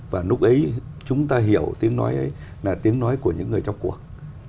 và lúc ấy chúng ta hiểu tiếng nói ấy là tiếng nói của những người trong cuộc